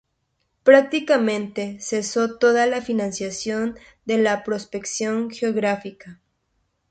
Prácticamente cesó toda financiación de la prospección geográfica.